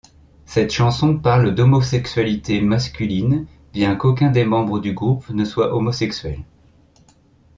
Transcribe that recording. Cette chanson parle d'homosexualité masculine, bien qu'aucun des membres du groupe ne soit homosexuel.